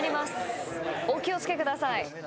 お気を付けください。